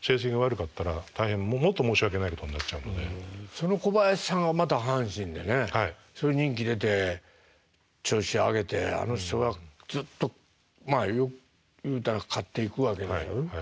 その小林さんがまた阪神でね人気出て調子上げてあの人がずっとまあ言うたら勝っていくわけでしょ。